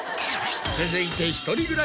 続いて。